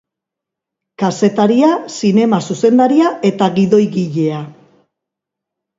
Kazetaria, zinema zuzendaria eta gidoigilea.